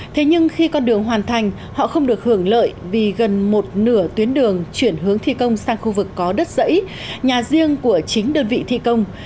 thế nhưng khi con đường hoàn thành họ không được hưởng lợi vì gần một nửa tuyến đường chuyển hướng thi công sang khu vực có đất dãy nhà riêng của chính đơn vị thi công